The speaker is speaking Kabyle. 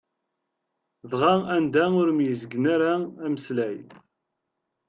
Dɣa anda ur myezgen ara ameslay.